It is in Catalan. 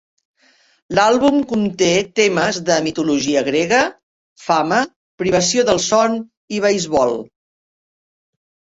L'àlbum conté temes de mitologia grega, fama, privació del son i beisbol.